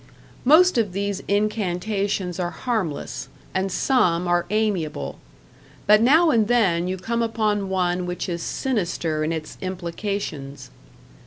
Most of these incantations are harmless, and some are amiable; but now and then you come upon one which is sinister in its implications.